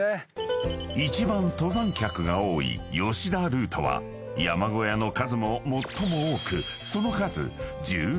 ［一番登山客が多い吉田ルートは山小屋の数も最も多くその数］